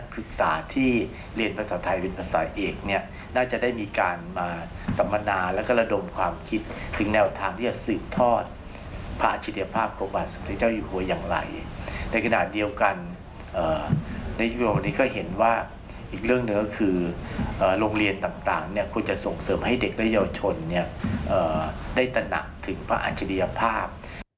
ควรจะส่งเสริมให้เด็กและเยาวชนได้ตระหนักถึงพระอาชดีภาพ